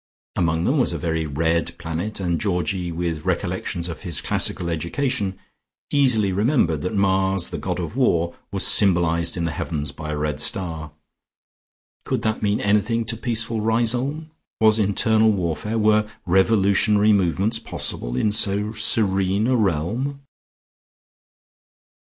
Among them was a very red planet, and Georgie with recollections of his classical education, easily remembered that Mars, the God of War, was symbolized in the heavens by a red star. Could that mean anything to peaceful Riseholme? Was internal warfare, were revolutionary movements possible in so serene a realm?